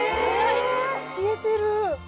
消えてる！